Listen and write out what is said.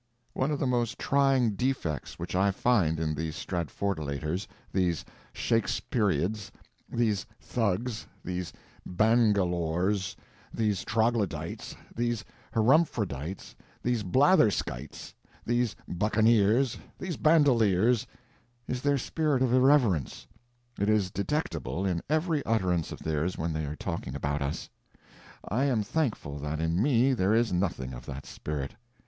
One of the most trying defects which I find in these Stratfordolaters, these Shakesperiods, these thugs, these bangalores, these troglodytes, these herumfrodites, these blatherskites, these buccaneers, these bandoleers, is their spirit of irreverence. It is detectable in every utterance of theirs when they are talking about us. I am thankful that in me there is nothing of that spirit.